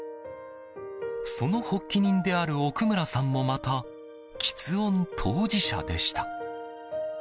その発起人である奥村さんもまた吃音当事者でした。